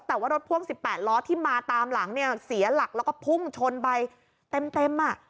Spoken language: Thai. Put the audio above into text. แต่ว่ารถพ่วง๑๘ล้อที่มาตามหลังเนี่ยเสียหลักแล้วก็พุ่งชนไปเต็มอ่ะ